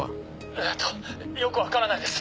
えぇとよく分からないです。